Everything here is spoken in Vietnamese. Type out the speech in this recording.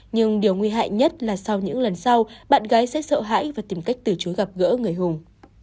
nhưng điều nguy hại nhất là sau những lần sau bạn gái sẽ sợ hãi và tìm cách từ chối gặp gỡ người hùng